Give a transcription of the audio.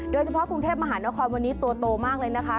โดยเฉพาะกรุงเทพมหานครวันนี้ตัวโตมากเลยนะคะ